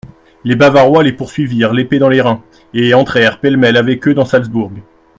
Les Bavarois les poursuivirent l'épée dans les reins, et entrèrent pêle-mêle avec eux dans Salzbourg.